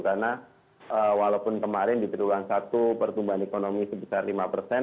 karena walaupun kemarin di triwulan satu pertumbuhan ekonomi sebesar lima persen